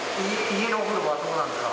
家のお風呂はどうなんですか。